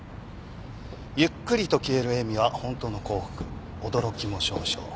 ゆっくりと消える笑みは本当の幸福驚きも少々。